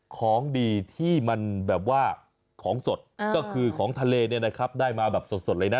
ของดีที่มันแบบว่าของสดก็คือของทะเลเนี่ยนะครับได้มาแบบสดเลยนะ